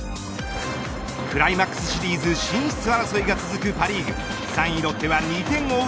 クライマックスシリーズ進出争いが続くパ・リーグ３位、ロッテは２点を追う